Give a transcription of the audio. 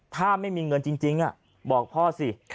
ถ้าไม่มีเงินจริงจริงอ่ะบอกพ่อสิค่ะ